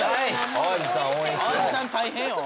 淡路さん大変よ。